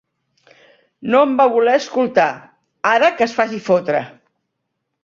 No em va voler escoltar; ara, que es faci fotre!